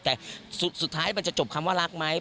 แต่สุดท้ายมันจะจบคำว่ารักไหม